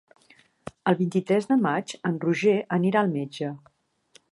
El vint-i-tres de maig en Roger anirà al metge.